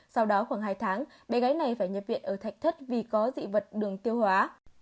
sau đó khoảng hai tháng bé gái này phải nhập viện ở thạch thất vì có dị vật đường tiêu hóa